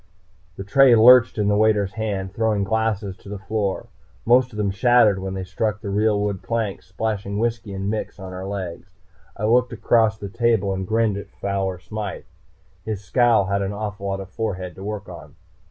The tray lurched in the waiter's hand, throwing glasses to the floor. Most of them shattered when they struck the real wood planks, splashing whisky and mix on our legs. I looked across the table and grinned at Fowler Smythe. His scowl had an awful lot of forehead to work on.